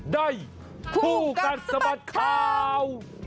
ได้คู่กับสะบัดเข้า